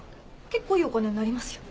結構いいお金になりますよ。